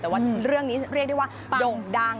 แต่ว่าเรื่องนี้เรียกได้ว่าโด่งดัง